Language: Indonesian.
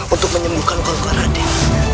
untuk menyembuhkan kogor raden